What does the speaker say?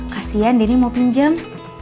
kasian dini mau pinjam